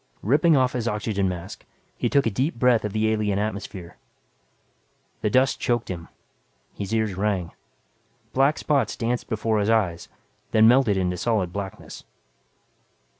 Ripping off his oxygen mask, he took a deep breath of the alien atmosphere. The dust choked him, his ears rang. Black spots danced before his eyes, then melted into solid blackness.